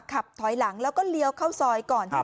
ขับถอยหลังแล้วก็เลี้ยวเข้าซอยก่อนที่